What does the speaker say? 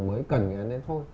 mới cần người ta đến thôi